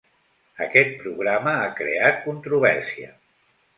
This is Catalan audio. Aquest programa ha creat controvèrsia.